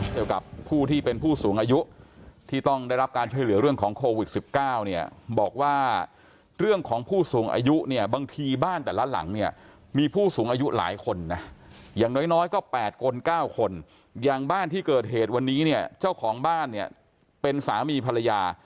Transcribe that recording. เกี่ยวกับผู้ที่เป็นผู้สูงอายุที่ต้องได้รับการช่วยเหลือเรื่องของโควิด๑๙เนี่ยบอกว่าเรื่องของผู้สูงอายุเนี่ยบางทีบ้านแต่ละหลังเนี่ยมีผู้สูงอายุหลายคนนะอย่างน้อยก็๘คน๙คนอย่างบ้านที่เกิดเหตุวันนี้เนี่ยเจ้าของบ้านเนี่ยเป็นสามีภรรยา